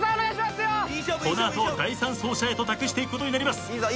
この後第３走者へと託していくことになります。